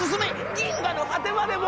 銀河の果てまでも！